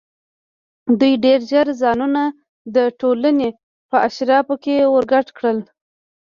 دوی ډېر ژر ځانونه د ټولنې په اشرافو کې ورګډ کړل.